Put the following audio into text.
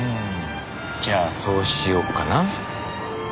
じゃあそうしようかな。